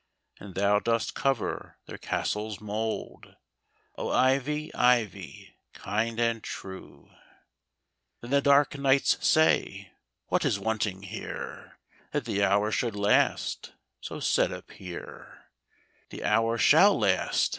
And thou dost cover their castle's mould, O, Ivy, Ivy, kind and true ! Then the dark knights say, "What is wanting here? " "That the hour should last" — so said a peer. " The hour shall last!